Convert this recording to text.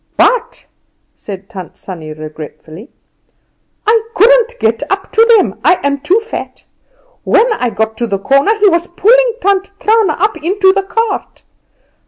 But," said Tant Sannie, regretfully, "I couldn't get up to them; I am too fat. When I got to the corner he was pulling Tant Trana up into the cart.